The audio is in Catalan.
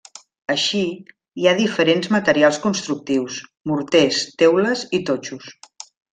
Així, hi ha diferents materials constructius: morters, teules i totxos.